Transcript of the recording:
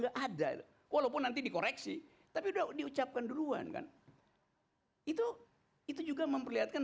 enggak ada walaupun nanti dikoreksi tapi udah diucapkan duluan kan itu itu juga memperlihatkan